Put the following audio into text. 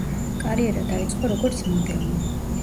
კარიერა დაიწყო როგორც მოდელმა.